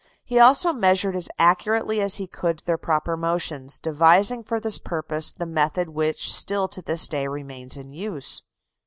He also measured as accurately as he could their proper motions, devising for this purpose the method which still to this day remains in use.